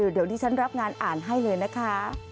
เดี๋ยวดิฉันรับงานอ่านให้เลยนะคะ